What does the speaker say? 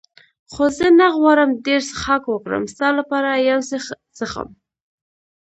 خو زه نه غواړم ډېر څښاک وکړم، ستا لپاره یو څه څښم.